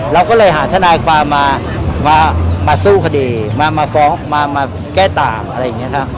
เราก็เลยหาทนายความมาสู้คดีมาฟ้องมาแก้ต่างอะไรอย่างนี้ค่ะ